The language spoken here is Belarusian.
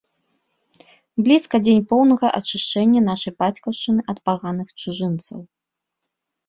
Блізка дзень поўнага ачышчэння нашай бацькаўшчыны ад паганых чужынцаў.